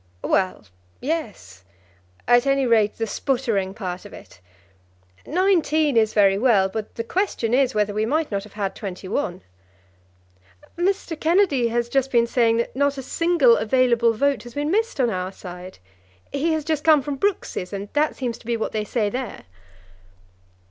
"Well, yes; at any rate, the sputtering part of it. Nineteen is very well, but the question is whether we might not have had twenty one." "Mr. Kennedy has just been saying that not a single available vote has been missed on our side. He has just come from Brooks's, and that seems to be what they say there."